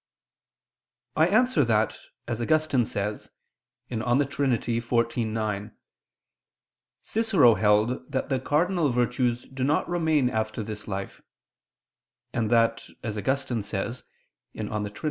I answer that, As Augustine says (De Trin. xiv, 9), Cicero held that the cardinal virtues do not remain after this life; and that, as Augustine says (De Trin.